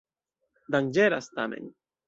Danĝeras tamen.